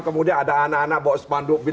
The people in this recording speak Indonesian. kemudian ada anak anak bawa sepanduk